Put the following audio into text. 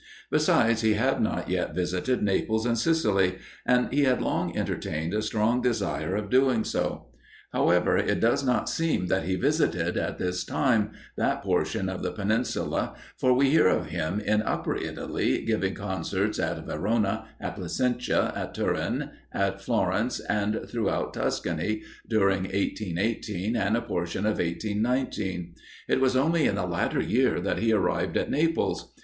Besides, he had not yet visited Naples and Sicily and he had long entertained a strong desire of doing so; however, it does not seem that he visited, at this time, that portion of the Peninsula, for we hear of him in Upper Italy, giving concerts at Verona, at Placentia, at Turin, at Florence, and throughout Tuscany, during 1818, and a portion of 1819.[M] It was only in the latter year that he arrived at Naples.